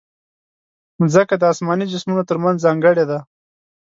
مځکه د اسماني جسمونو ترمنځ ځانګړې ده.